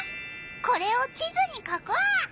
これを地図に書こう！